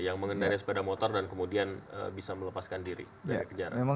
yang mengendari sepeda motor dan kemudian bisa melepaskan diri dari kejaran